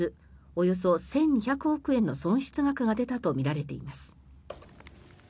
およそ１２００億円の損失額が出たとみられています。